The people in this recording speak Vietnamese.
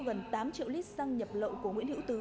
gần tám triệu lít xăng nhập lậu của nguyễn hữu tứ